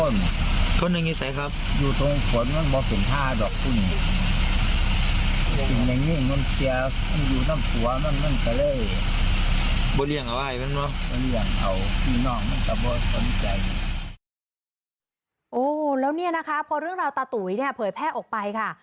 แล้วนี่นะคะพอเรื่องราวตาตุ๋ยเผยแพร่ออกไปค่ะ